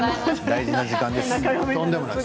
大事な時間です。